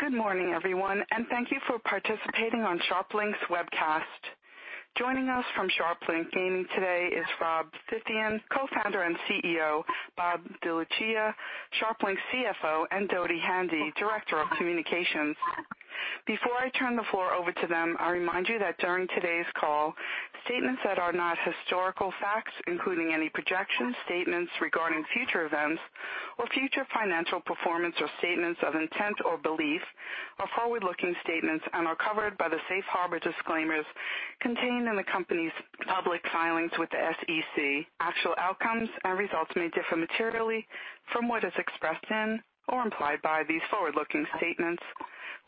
Good morning, everyone, and thank you for participating on SharpLink's webcast. Joining us from SharpLink Gaming today is Rob Phythian, Co-Founder and CEO, Bob DeLucia, SharpLink CFO, and Dodi Handy, Director of Communications. Before I turn the floor over to them, I remind you that during today's call, statements that are not historical facts, including any projections, statements regarding future events or future financial performance, or statements of intent or belief are forward-looking statements and are covered by the safe harbor disclaimers contained in the company's public filings with the SEC. Actual outcomes and results may differ materially from what is expressed in or implied by these forward-looking statements.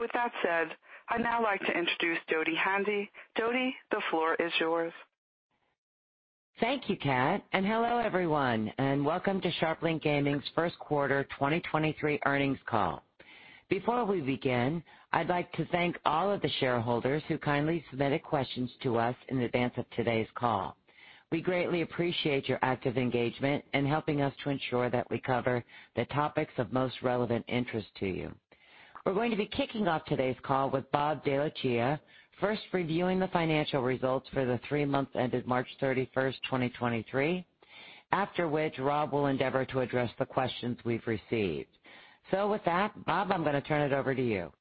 With that said, I'd now like to introduce Dodi Handy. Dodi, the floor is yours. Thank you, Kat. Hello, everyone, and welcome to SharpLink Gaming's first quarter 2023 earnings call. Before we begin, I'd like to thank all of the shareholders who kindly submitted questions to us in advance of today's call. We greatly appreciate your active engagement in helping us to ensure that we cover the topics of most relevant interest to you. We're going to be kicking off today's call with Bob DeLucia, first reviewing the financial results for the three months ended March 31st, 2023. After which, Rob will endeavor to address the questions we've received. With that, Bob, I'm gonna turn it over to you.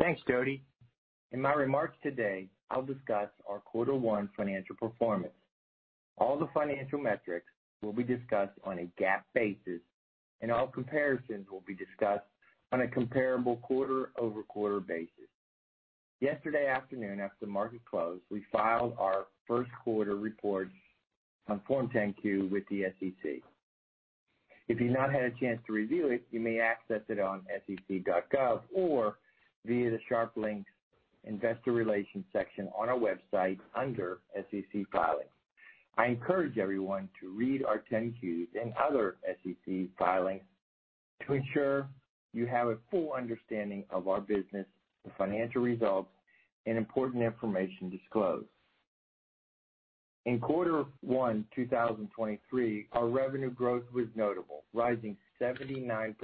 Thanks, Dodi. In my remarks today, I'll discuss our quarter one financial performance. All the financial metrics will be discussed on a GAAP basis, and all comparisons will be discussed on a comparable quarter-over-quarter basis. Yesterday afternoon, after market close, we filed our first quarter reports on Form 10-Q with the SEC. If you've not had a chance to review it, you may access it on sec.gov or via the SharpLink's Investor Relations section on our website under SEC Filings. I encourage everyone to read our 10-Qs and other SEC filings to ensure you have a full understanding of our business, the financial results, and important information disclosed. In quarter one 2023, our revenue growth was notable, rising 79%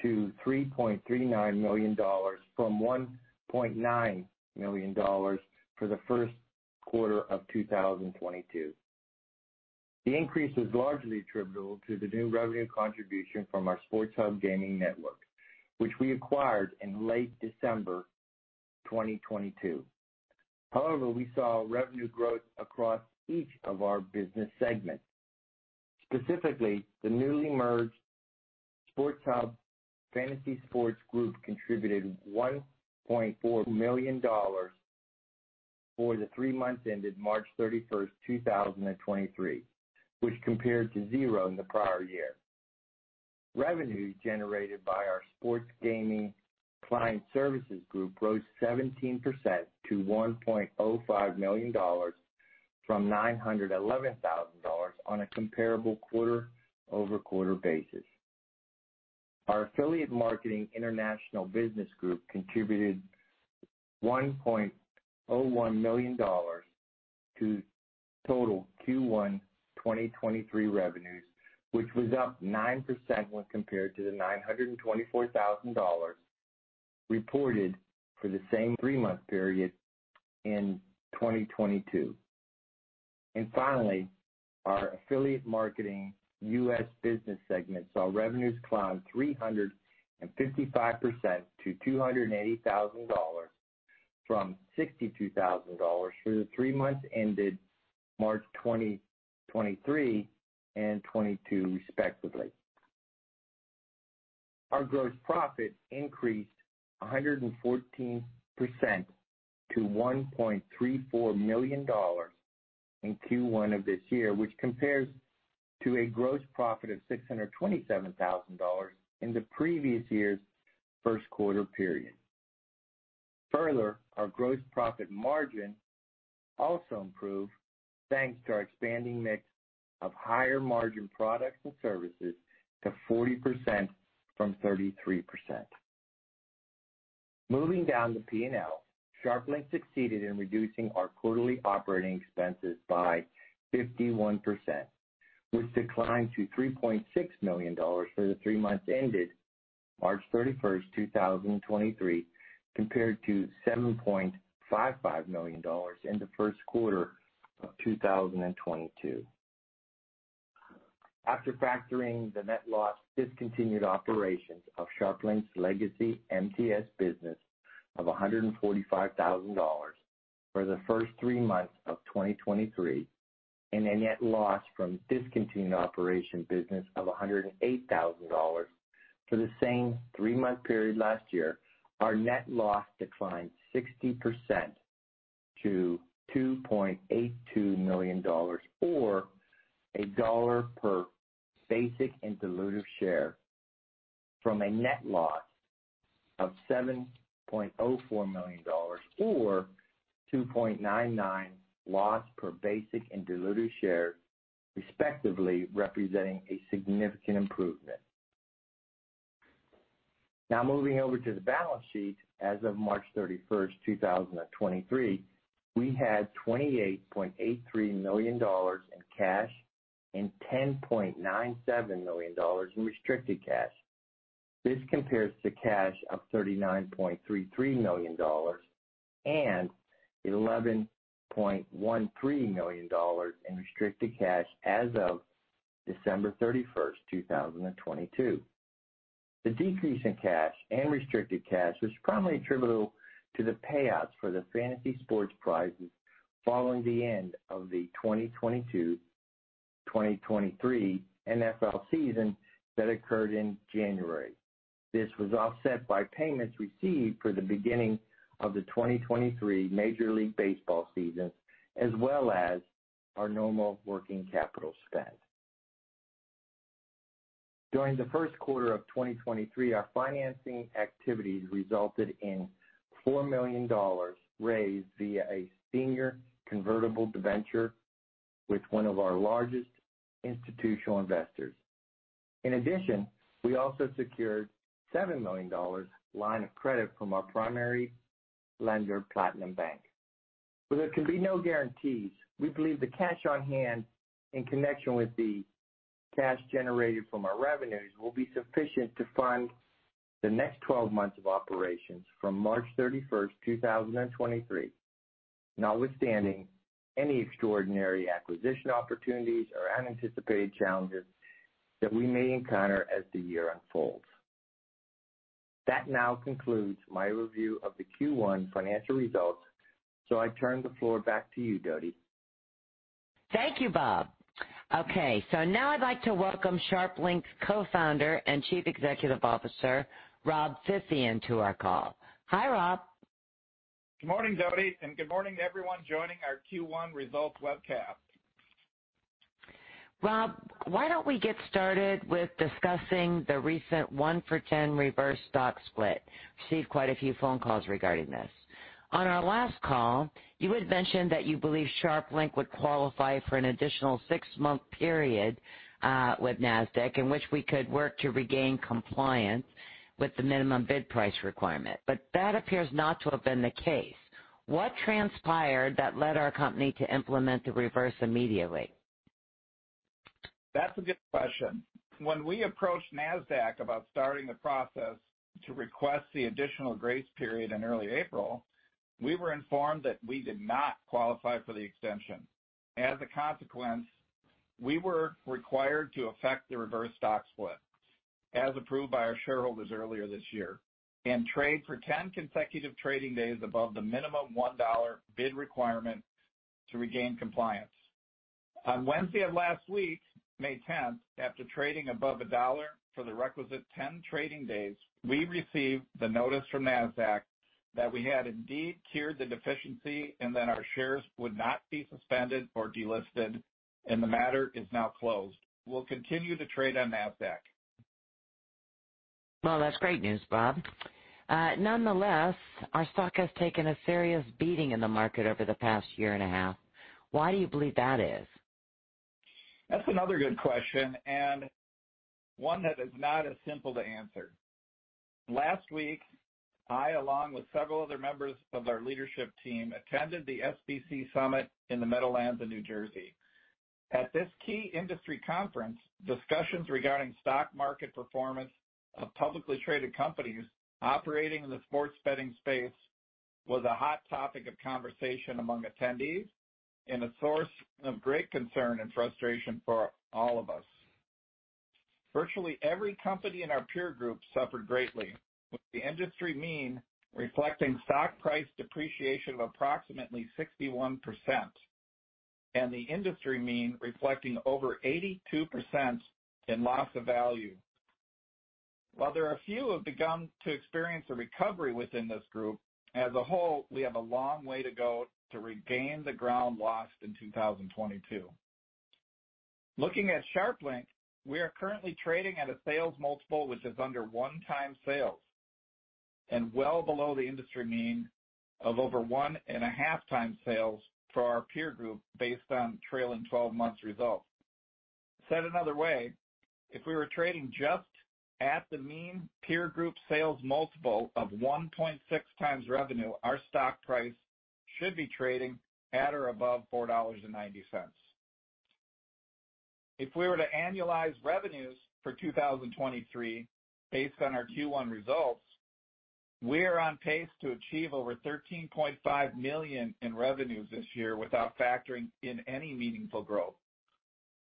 to $3.39 million from $1.9 million for the first quarter of 2022. The increase is largely attributable to the new revenue contribution from our SportsHub Games Network, which we acquired in late December 2022. We saw revenue growth across each of our business segments. Specifically, the newly merged SportsHub/Fantasy Sports group contributed $1.4 million for the three months ended March 31st, 2023, which compared to zero in the prior year. Revenue generated by our Sports Gaming Client Services group rose 17% to $1.05 million from $911,000 on a comparable quarter-over-quarter basis. Our Affiliate Marketing International business group contributed $1.01 million to total Q1 2023 revenues, which was up 9% when compared to the $924,000 reported for the same three-month period in 2022. Finally, our Affiliate Marketing U.S. business segment saw revenues climb 355% to $280,000 from $62,000 for the three months ended March 2023 and 2022, respectively. Our gross profit increased 114% to $1.34 million in Q1 of this year, which compares to a gross profit of $627,000 in the previous year's first quarter period. Further, our gross profit margin also improved, thanks to our expanding mix of higher-margin products and services to 40% from 33%. Moving down to P&L, SharpLink succeeded in reducing our quarterly operating expenses by 51%, which declined to $3.6 million for the three months ended March 31, 2023, compared to $7.55 million in the first quarter of 2022. After factoring the net loss discontinued operations of SharpLink's legacy MTS business of $145,000 for the first three months of 2023 and a net loss from discontinued operation business of $108,000 for the same three-month period last year, our net loss declined 60% to $2.82 million, or $1 per basic and dilutive share from a net loss of $7.04 million or $2.99 loss per basic and dilutive share, respectively, representing a significant improvement. Now moving over to the balance sheet. As of March 31, 2023, we had $28.83 million in cash and $10.97 million in restricted cash. This compares to cash of $39.33 million and $11.13 million in restricted cash as of December 31, 2022. The decrease in cash and restricted cash was primarily attributable to the payouts for the fantasy sports prizes following the end of the 2022/2023 NFL season that occurred in January. This was offset by payments received for the beginning of the 2023 Major League Baseball season, as well as our normal working capital spend. During the first quarter of 2023, our financing activities resulted in $4 million raised via a senior convertible debenture with one of our largest institutional investors. In addition, we also secured $7 million line of credit from our primary lender, Platinum Bank. There can be no guarantees. We believe the cash on hand in connection with the cash generated from our revenues will be sufficient to fund the next 12 months of operations from March 31st, 2023, notwithstanding any extraordinary acquisition opportunities or unanticipated challenges that we may encounter as the year unfolds. That now concludes my review of the Q1 financial results. I turn the floor back to you, Dodi. Thank you, Bob. Okay, now I'd like to welcome SharpLink's Co-Founder and Chief Executive Officer, Rob Phythian, to our call. Hi, Rob. Good morning, Dodi. Good morning to everyone joining our Q1 results webcast. Rob, why don't we get started with discussing the recent one-for-10 reverse stock split? Received quite a few phone calls regarding this. On our last call, you had mentioned that you believe SharpLink would qualify for an additional six-month period with Nasdaq in which we could work to regain compliance with the minimum bid price requirement. That appears not to have been the case. What transpired that led our company to implement the reverse immediately? That's a good question. When we approached Nasdaq about starting the process to request the additional grace period in early April, we were informed that we did not qualify for the extension. As a consequence, we were required to affect the reverse stock split, as approved by our shareholders earlier this year, and trade for 10 consecutive trading days above the minimum $1 bid requirement to regain compliance. On Wednesday of last week, May tenth, after trading above $1 for the requisite 10 trading days, we received the notice from Nasdaq that we had indeed cured the deficiency and that our shares would not be suspended or delisted, and the matter is now closed. We'll continue to trade on Nasdaq. Well, that's great news, Bob. Nonetheless, our stock has taken a serious beating in the market over the past year and a half. Why do you believe that is? That's another good question, and one that is not as simple to answer. Last week, I, along with several other members of our leadership team, attended the SBC Summit in the Meadowlands of New Jersey. At this key industry conference, discussions regarding stock market performance of publicly traded companies operating in the sports betting space was a hot topic of conversation among attendees and a source of great concern and frustration for all of us. Virtually every company in our peer group suffered greatly, with the industry mean reflecting stock price depreciation of approximately 61% and the industry mean reflecting over 82% in loss of value. While there are a few have begun to experience a recovery within this group, as a whole, we have a long way to go to regain the ground lost in 2022. Looking at SharpLink, we are currently trading at a sales multiple which is under 1x sales and well below the industry mean of over 1.5x sales for our peer group based on trailing twelve months results. Said another way, if we were trading just at the mean peer group sales multiple of 1.6x revenue, our stock price should be trading at or above $4.90. If we were to annualize revenues for 2023 based on our Q1 results, we are on pace to achieve over $13.5 million in revenues this year without factoring in any meaningful growth.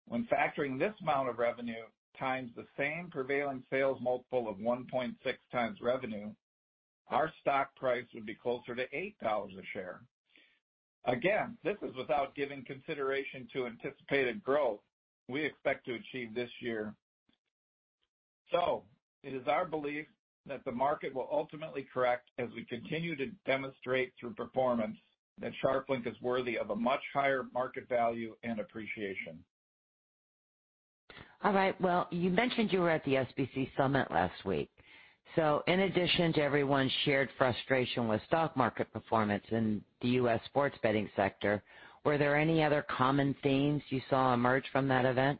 When factoring this amount of revenue times the same prevailing sales multiple of 1.6x revenue, our stock price would be closer to $8 a share. Again, this is without giving consideration to anticipated growth we expect to achieve this year. It is our belief that the market will ultimately correct as we continue to demonstrate through performance that SharpLink is worthy of a much higher market value and appreciation. All right. Well, you mentioned you were at the SBC Summit last week. In addition to everyone's shared frustration with stock market performance in the U.S. sports betting sector, were there any other common themes you saw emerge from that event?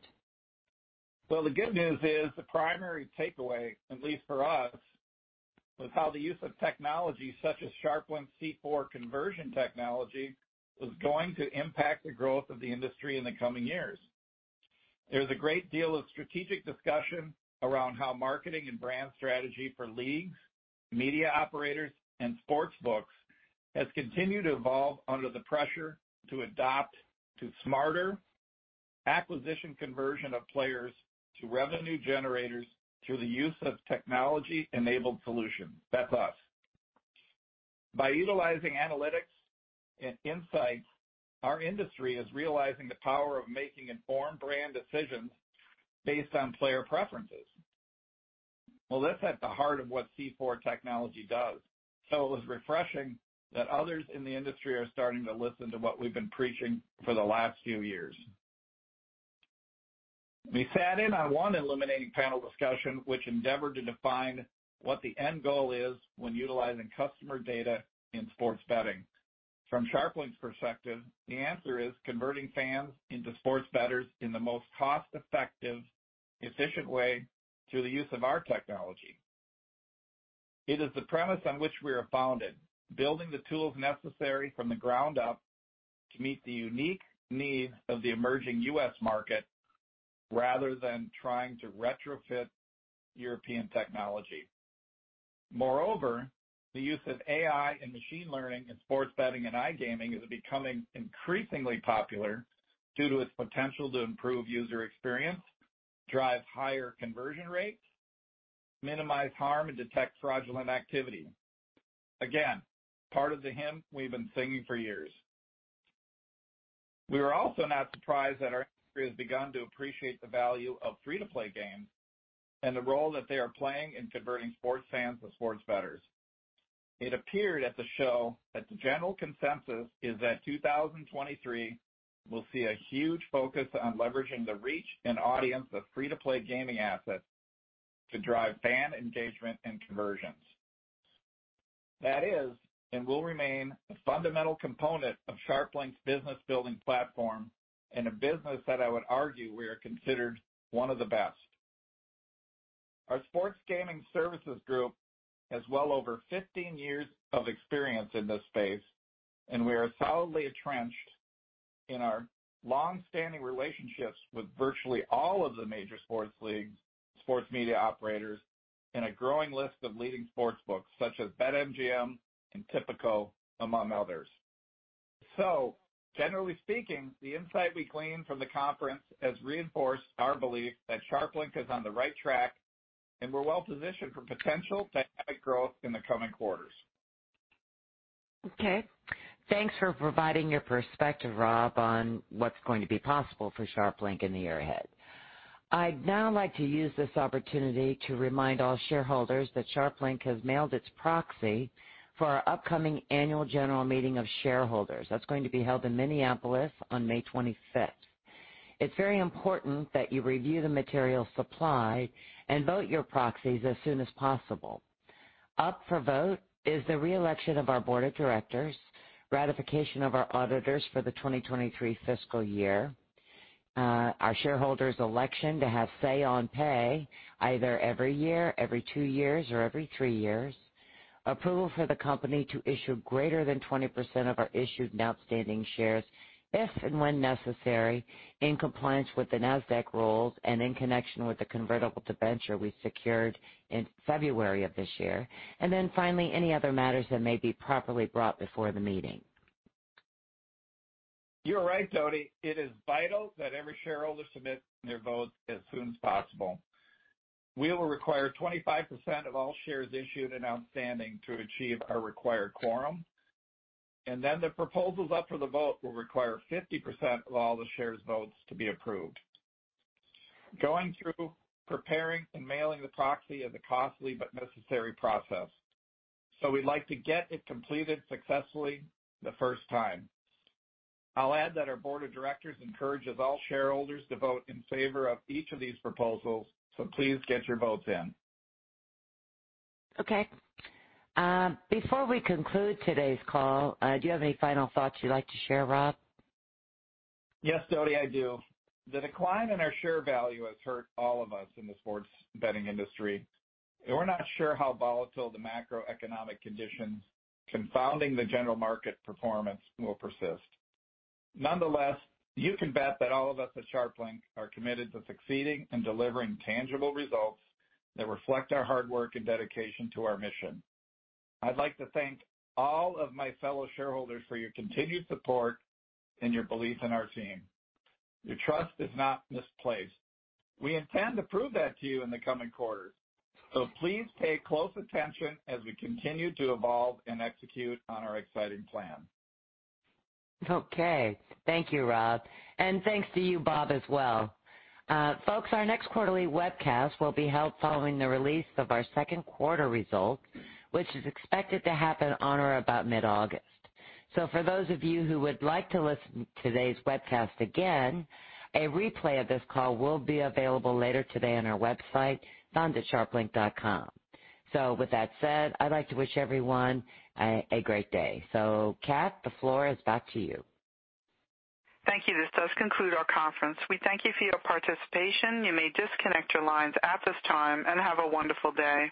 The good news is the primary takeaway, at least for us, was how the use of technology such as SharpLink C4 conversion technology is going to impact the growth of the industry in the coming years. There's a great deal of strategic discussion around how marketing and brand strategy for leagues, media operators, and sports books has continued to evolve under the pressure to adopt to smarter acquisition conversion of players to revenue generators through the use of technology-enabled solutions. That's us. By utilizing analytics and insights, our industry is realizing the power of making informed brand decisions based on player preferences. That's at the heart of what C4 technology does. It was refreshing that others in the industry are starting to listen to what we've been preaching for the last few years. We sat in on one illuminating panel discussion which endeavored to define what the end goal is when utilizing customer data in sports betting. From SharpLink's perspective, the answer is converting fans into sports bettors in the most cost-effective, efficient way through the use of our technology. It is the premise on which we are founded, building the tools necessary from the ground up to meet the unique needs of the emerging U.S. market rather than trying to retrofit European technology. Moreover, the use of AI and machine learning in sports betting and iGaming is becoming increasingly popular due to its potential to improve user experience, drive higher conversion rates, minimize harm, and detect fraudulent activity. Again, part of the hymn we've been singing for years. We were also not surprised that our industry has begun to appreciate the value of free-to-play games and the role that they are playing in converting sports fans to sports bettors. It appeared at the show that the general consensus is that 2023 will see a huge focus on leveraging the reach and audience of free-to-play gaming assets to drive fan engagement and conversions. That is and will remain a fundamental component of SharpLink's business-building platform and a business that I would argue we are considered one of the best. Our Sports Gaming Services group has well over 15 years of experience in this space, and we are solidly entrenched in our long-standing relationships with virtually all of the major sports leagues, sports media operators, and a growing list of leading sports books such as BetMGM and Tipico, among others. Generally speaking, the insight we gleaned from the conference has reinforced our belief that SharpLink is on the right track, and we're well-positioned for potential dynamic growth in the coming quarters. Okay. Thanks for providing your perspective, Rob Phythian, on what's going to be possible for SharpLink in the year ahead. I'd now like to use this opportunity to remind all shareholders that SharpLink has mailed its proxy for our upcoming annual general meeting of shareholders. That's going to be held in Minneapolis on May 25th. It's very important that you review the materials supplied and vote your proxies as soon as possible. Up for vote is the reelection of our board of directors, ratification of our auditors for the 2023 fiscal year, our shareholders' election to have say on pay either every year, every two years, or every three years, approval for the company to issue greater than 20% of our issued and outstanding shares if and when necessary in compliance with the Nasdaq rules and in connection with the convertible debenture we secured in February of this year. Finally, any other matters that may be properly brought before the meeting. You're right, Dodi. It is vital that every shareholder submits their votes as soon as possible. We will require 25% of all shares issued and outstanding to achieve our required quorum, and then the proposals up for the vote will require 50% of all the shares votes to be approved. Going through, preparing, and mailing the proxy is a costly but necessary process, so we'd like to get it completed successfully the first time. I'll add that our board of directors encourages all shareholders to vote in favor of each of these proposals. Please get your votes in. Before we conclude today's call, do you have any final thoughts you'd like to share, Rob? Yes, Dodi, I do. The decline in our share value has hurt all of us in the sports betting industry, and we're not sure how volatile the macroeconomic conditions confounding the general market performance will persist. Nonetheless, you can bet that all of us at SharpLink are committed to succeeding and delivering tangible results that reflect our hard work and dedication to our mission. I'd like to thank all of my fellow shareholders for your continued support and your belief in our team. Your trust is not misplaced. We intend to prove that to you in the coming quarters. Please pay close attention as we continue to evolve and execute on our exciting plan. Okay. Thank you, Rob, and thanks to you, Bob, as well. Folks, our next quarterly webcast will be held following the release of our second quarter results, which is expected to happen on or about mid-August. For those of you who would like to listen to today's webcast again, a replay of this call will be available later today on our website found at sharplink.com. With that said, I'd like to wish everyone a great day. Kat, the floor is back to you. Thank you. This does conclude our conference. We thank you for your participation. You may disconnect your lines at this time and have a wonderful day.